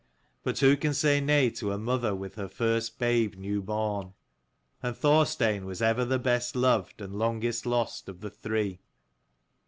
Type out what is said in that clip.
But who can say nay to a mother with her first babe newborn? and Thorstein was ever the best loved and longest lost of the three.